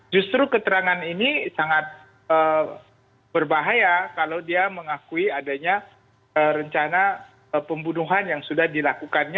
justru keterangan ini sangat berbahaya kalau dia mengakui adanya rencana pembunuhan yang sudah dilakukannya